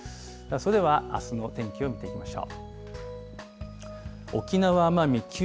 それではあすの天気を見ていきましょう。